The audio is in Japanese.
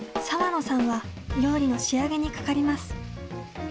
さわのさんは料理の仕上げにかかります。